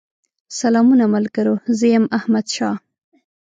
سلامونه ملګرو! زه يم احمدشاه